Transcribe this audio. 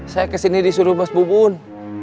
saya kesini disuruh mas bubun